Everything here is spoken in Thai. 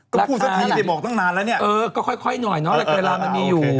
ก็พูดสักทีสิบอกตั้งนานแล้วเนี่ยเออก็ค่อยหน่อยเนาะเวลามันมีอยู่